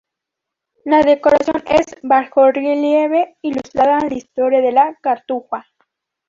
La decoración es en bajorrelieve ilustrando la "Historia de la cartuja".